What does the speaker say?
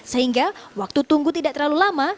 sehingga waktu tunggu tidak terlalu lama